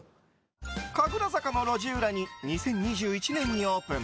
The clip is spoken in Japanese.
神楽坂の路地裏に２０２１年にオープン。